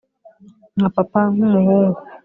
nka papa, nkumuhungu